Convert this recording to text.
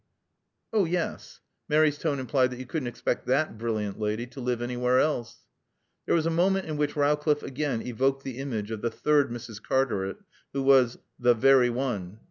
"Oh, yes." Mary's tone implied that you couldn't expect that brilliant lady to live anywhere else. There was a moment in which Rowcliffe again evoked the image of the third Mrs. Cartaret who was "the very one."